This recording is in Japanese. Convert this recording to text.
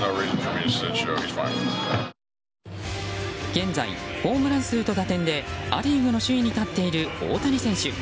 現在、ホームラン数と打点でア・リーグの首位に立っている大谷選手。